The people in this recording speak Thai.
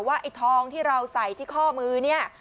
ไอ้ทองที่เราใส่ที่ข้อมือเนี่ย